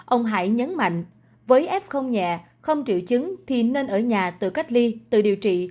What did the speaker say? ông hải nhấn mạnh với f nhẹ không triệu chứng thì nên ở nhà tự cách ly tự điều trị